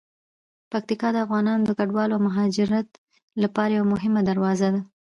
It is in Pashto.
پکتیکا د افغانانو د کډوالۍ او مهاجرت لپاره یوه مهمه دروازه ده.